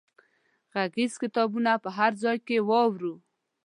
غږیز کتابونه په هر ځای کې واورو.